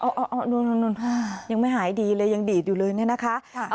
อ๋ออ๋อนั่นนั่นนั่นยังไม่หายดีเลยยังดีดอยู่เลยนี่นะคะ